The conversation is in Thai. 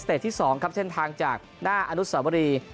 ที่๒ครับเส้นทางจากหน้าอนุสาวรี